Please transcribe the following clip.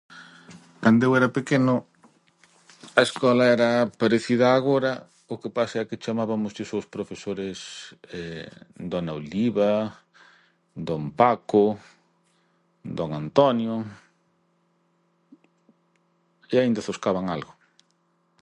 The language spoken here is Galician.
Cando eu era pequeno a escola era parecida a agora o que pasa é que chamabamoslles aos profesores Dona Oliva, Don Paco, Don Antonio e aínda zoscaban algo.